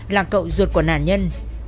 là cậu ruột của nạn nhân